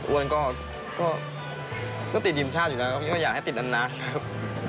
อ้วนก็ติดทีมชาติอยู่แล้วก็ไม่อยากให้ติดอันนั้นนะครับ